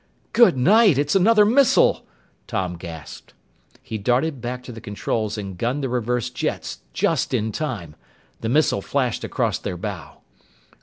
"Good night! It's another missile!" Tom gasped. He darted back to the controls and gunned the reverse jets just in time! The missile flashed across their bow.